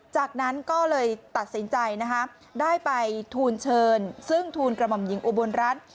จากนั้นก็เลยตัดสินใจนะคะได้ไปทูลเชิญซึ่งทูลกระหม่อมหญิงอุบลรัฐ